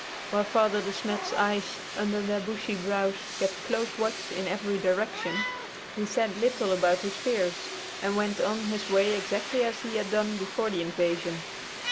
While Father De Smet's eyes, under their bushy brows, kept close watch in every direction, he said little about his fears and went on his way exactly as he had done before the invasion.